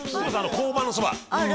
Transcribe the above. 交番のそば